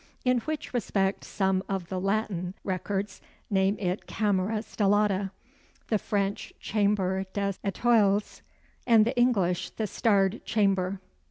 In which respect some of the Latin Records name it Camera Stellata; the French Chambre des Ètoiles; and the English the Starred Chamber."